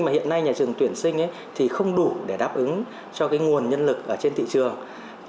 mà hiện nay nhà trường tuyển sinh thì không đủ để đáp ứng cho nguồn nhân lực trên thị trường